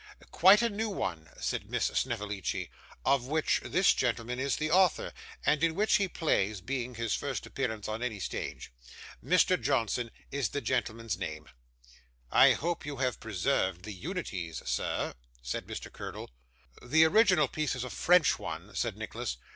'Quite a new one,' said Miss Snevellicci, 'of which this gentleman is the author, and in which he plays; being his first appearance on any stage. Mr. Johnson is the gentleman's name.' 'I hope you have preserved the unities, sir?' said Mr. Curdle. 'The original piece is a French one,' said Nicholas.